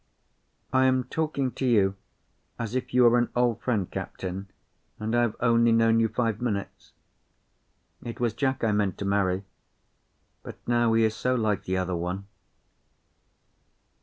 "I am talking to you as if you were an old friend, captain, and I have only known you five minutes. It was Jack I meant to marry, but now he is so like the other one."